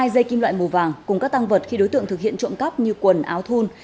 hai dây kim loại màu vàng cùng các tăng vật khi đối tượng thực hiện trộm cắp như quần áo thun